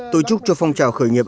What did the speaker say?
tôi chúc cho phong trào khởi nghiệp